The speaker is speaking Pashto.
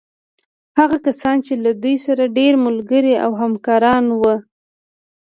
هغه کسان چې له دوی سره ډېر ملګري او همکاران وو.